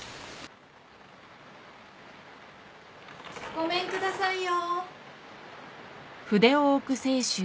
・・ごめんくださいよ。